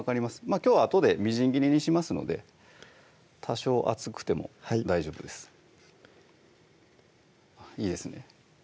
きょうはあとでみじん切りにしますので多少厚くても大丈夫ですいいですね